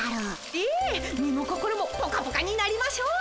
ええ身も心もポカポカになりましょう。